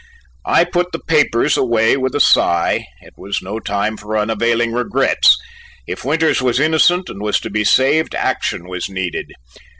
I put the paper away with a sigh: it was no time for unavailing regrets, if Winters was innocent and was to be saved, action was needed.